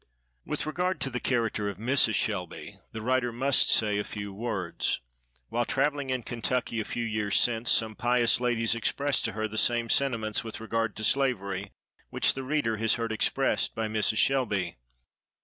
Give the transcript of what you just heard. With regard to the character of Mrs. Shelby the writer must say a few words. While travelling in Kentucky, a few years since, some pious ladies expressed to her the same sentiments with regard to slavery which the reader has heard expressed by Mrs. Shelby.